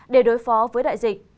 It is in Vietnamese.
để đối phó với đại dịch